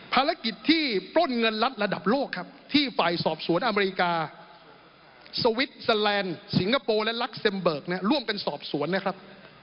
ภารกิจที่ปล้นเงินรัฐระดับโลกครับที่ฝ่ายสอบสวนอเมริกาสวิสเตอร์แลนด์สิงคโปร์และรักเซ็มเบิกเนี่ยร่วมกันสอบสวนนะครับ